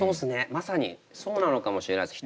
まさにそうなのかもしれないです。